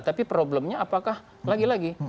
tapi problemnya apakah lagi lagi